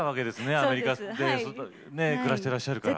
アメリカで暮らしてらっしゃるから。